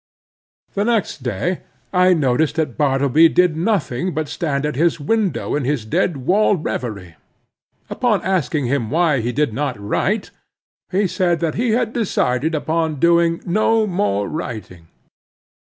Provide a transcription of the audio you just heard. The next day I noticed that Bartleby did nothing but stand at his window in his dead wall revery. Upon asking him why he did not write, he said that he had decided upon doing no more writing.